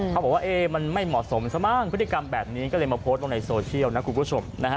เขาบอกว่ามันไม่เหมาะสมซะบ้างพฤติกรรมแบบนี้ก็เลยมาโพสต์ลงในโซเชียลนะคุณผู้ชมนะฮะ